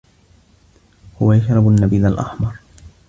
هو يشرب النّبيذ الأحمر.